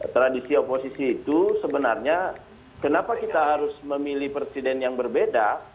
tradisi oposisi itu sebenarnya kenapa kita harus memilih presiden yang berbeda